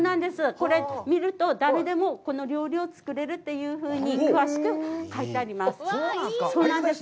これ見ると、誰でもこの料理を作れるというふうに詳しく書いてあります。